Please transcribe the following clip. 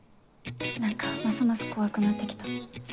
何かますます怖くなって来た。